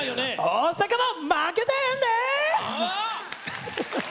大阪も負けてへんで！